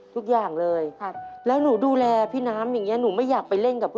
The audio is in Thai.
เพราะอะไรหนูถึงอยากดูแลพี่น้ำ